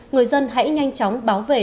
người dân hãy nhanh chóng báo về